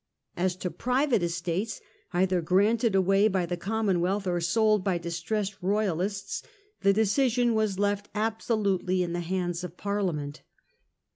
As to private estates, either granted away by the Commonwealth or sold by distressed Royalists, the decision was left absolutely in the hands of Parliament.